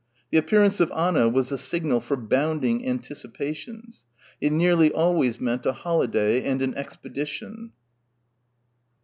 The appearance of Anna was the signal for bounding anticipations. It nearly always meant a holiday and an expedition.